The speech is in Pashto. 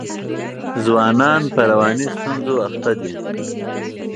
ځوانان په رواني ستونزو اخته دي.